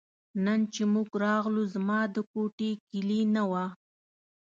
نن چې موږ راغلو زما د کوټې کیلي نه وه.